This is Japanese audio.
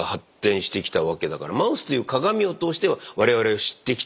マウスという鏡を通して我々を知ってきた。